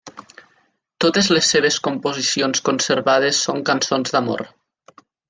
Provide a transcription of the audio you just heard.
Totes les seves composicions conservades són cançons d'amor.